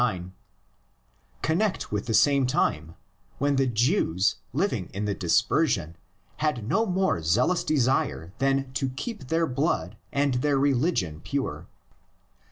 I 9) connect with the same time, when the Jews, living in the Dispersion, had no more zealous desire than to keep their blood and their religion pure.